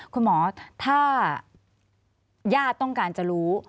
คุณหมอถ้าญาติต้องการจะรู้